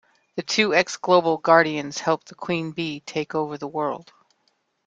The two ex-Global Guardians helped the Queen Bee take over the world.